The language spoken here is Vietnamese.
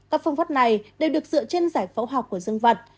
các phong pháp này đều được dựa trên giải phẫu học của dương vật